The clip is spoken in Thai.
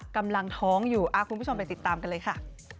กำลังท้องอยู่คุณผู้ชมไปติดตามกันเลยค่ะ